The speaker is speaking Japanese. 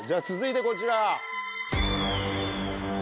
続いてこちら。